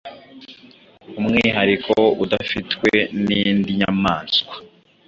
umwihariko udafitwe n’ indi nyamaswa